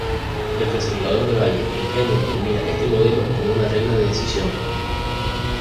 El clasificador Bayes Ingenuo combina este modelo con una regla de decisión.